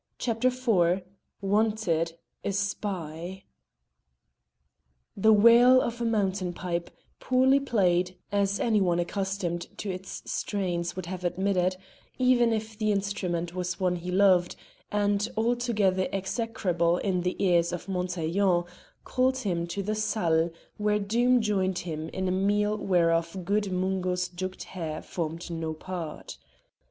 CHAPTER IV WANTED, A SPY The wail of a mountain pipe, poorly played, as any one accustomed to its strains would have admitted, even if the instrument was one he loved, and altogether execrable in the ears of Montaiglon, called him to the salle, where Doom joined him in a meal whereof good Mungo's jugged hare formed no part.